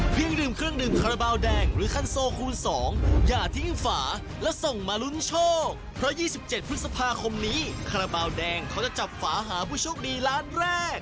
เพราะ๒๗พฤษภาคมนี้คาราเบาแดงเขาจะจับฝาหาผู้โชคดีร้านแรก